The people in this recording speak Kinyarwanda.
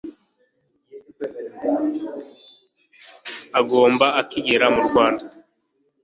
agomba akigera mu rwanda